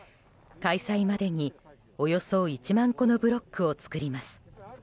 開催までにおよそ１万個のブロックを作ります。